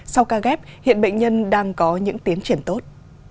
sau ca ghép hiện bệnh nhân đang có những tiến triển tốt